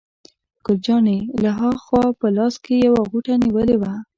ګل جانې له ها خوا په لاس کې یوه غوټه نیولې وه.